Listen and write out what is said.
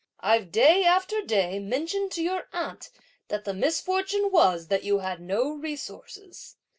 I've day after day mentioned to your aunt that the misfortune was that you had no resources.